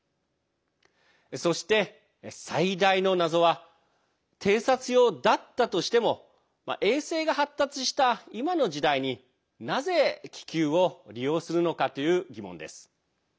そして、最大の謎は偵察用だったとしても衛星が発達した今の時代になぜ気球を利用するのかという疑問です。